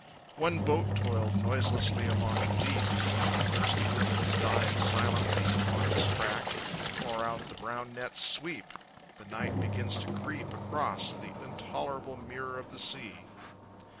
One boat toiled noiselessly along the deep, The thirsty ripples dying silently Upon its track. Far out the brown nets sweep, And night begins to creep Across the intolerable mirror of the sea.